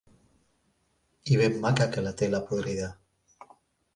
I ben maca que la té, la podrida.